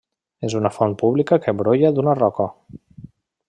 És una font pública que brolla d'una roca.